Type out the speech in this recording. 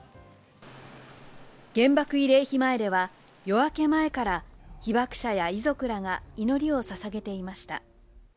原爆慰霊碑前では夜明け前から被爆者や遺族らが祈りをささげていました。